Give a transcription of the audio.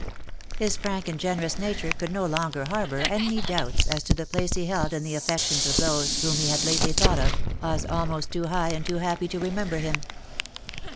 His frank and generous nature could no longer harbour any doubts as to the place he held in the affections of those whom he had lately thought of, as almost too high and too happy to remember him.